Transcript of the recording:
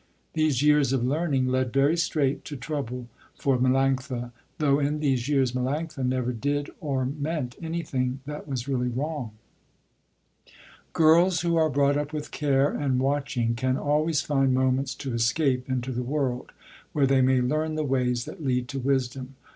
These years of learning led very straight to trouble for Melanctha, though in these years Melanctha never did or meant anything that was really wrong. Girls who are brought up with care and watching can always find moments to escape into the world, where they may learn the ways that lead to wisdom.